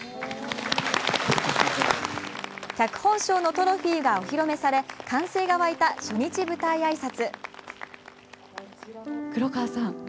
脚本賞のトロフィーがお披露目され歓声が沸いた、初日舞台挨拶。